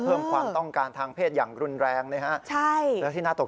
เพิ่มความต้องการทางเพศอย่างรุนแรงนะครับ